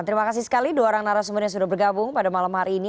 terima kasih sekali dua orang narasumber yang sudah bergabung pada malam hari ini